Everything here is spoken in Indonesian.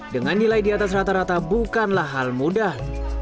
dengan nilai di atas rata rata bukanlah hal mudah